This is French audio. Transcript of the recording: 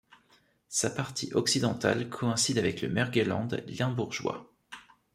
Sa partie occidentale coïncide avec le Mergelland limbourgeois.